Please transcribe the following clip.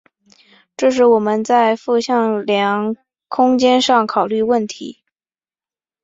这里我们在复向量空间上考虑问题。